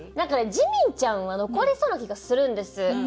ジミンちゃんは残りそうな気がするんです。